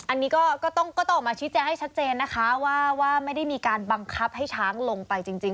อันนี้ก็ต้องออกมาชี้แจงให้ชัดเจนนะคะว่าไม่ได้มีการบังคับให้ช้างลงไปจริง